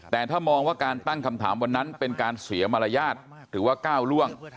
แต่ถ้ามองว่าการตั้งคำถามวันนั้นเป็นการเสียมารยาทหรือว่าก้าวล่วง